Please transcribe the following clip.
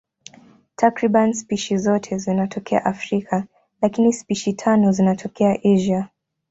Takriban spishi zote zinatokea Afrika, lakini spishi tano zinatokea Asia.